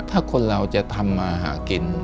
ถ้าคนเราจะทำมาหากิน